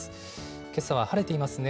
けさは晴れていますね。